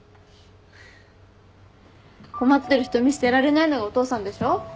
困ってる人見捨てられないのがお父さんでしょ？